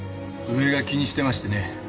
上が気にしてましてね。